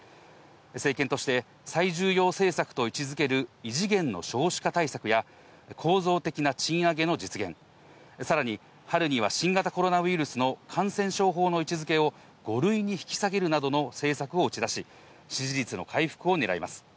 政権として最重要政策と位置づける異次元の少子化対策や、構造的な賃上げの実現、さらに春には新型コロナウイルスの感染症法の位置付けを５類に引き下げるなどの政策を打ち出し、支持率の回復を狙います。